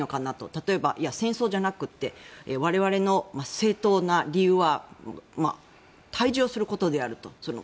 例えば、戦争じゃなくて我々の正当な理由は対峙をすることであると。